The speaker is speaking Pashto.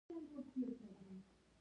د پستې د ونو ترمنځ فاصله څومره وي؟